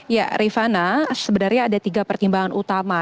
ya rifana sebenarnya ada tiga pertimbangan utama